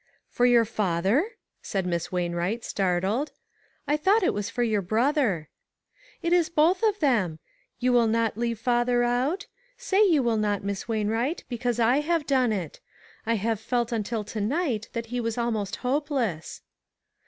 "For your father?" said Miss Wainwright, startled ;" I thought it was for your brother." "It is both of them. You will not leave father out? Say you will not, Miss Wain wright, because I have done it ; I have felt until to night that he was almost hopeless."